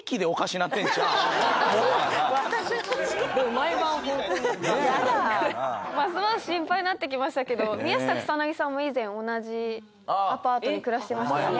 ますますシンパイになってきましたけど宮下草薙さんも以前同じアパートに暮らしてましたよね。